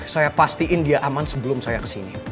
saya pastikan dia aman sebelum saya kesini